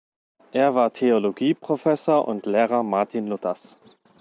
Er war Theologieprofessor und Lehrer Martin Luthers.